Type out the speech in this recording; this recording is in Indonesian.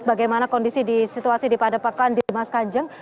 bagaimana kondisi di situasi di padepokan dimas kanjeng